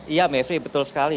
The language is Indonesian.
iya mevri betul sekali